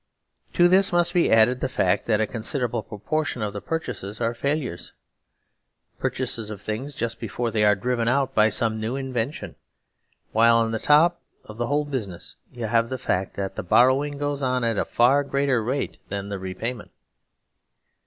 To this must be added the fact that a considerable proportion of the purchases are failures : purchases of things just before they are driven out by some new invention ; while on the top of the whole business you have the fact that the borrowing goes on at a far greater rate than the repayment.